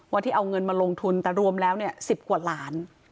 ที่เอาเงินมาลงทุนแต่รวมแล้ว๑๐กว่าล้าน